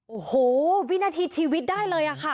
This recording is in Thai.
โอ้โหวินาทีชีวิตได้เลยค่ะ